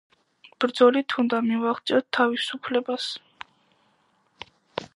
ბრძოლით უნდა მივაღწიოთ თავისუფლებას!